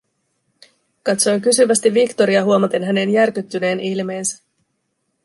Katsoin kysyvästi Victoria huomaten hänen järkyttyneen ilmeensä: